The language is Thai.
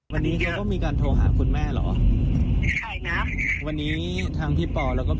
คุณแม่ทำอะไรตอนนี้เป็นยังไงสบายดีไหมครับ